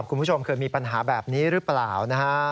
คุณผู้ชมเคยมีปัญหาแบบนี้หรือเปล่านะฮะ